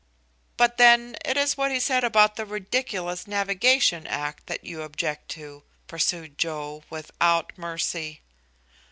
"But then it is what he said about that ridiculous Navigation Act that you object to?" pursued Joe, without mercy.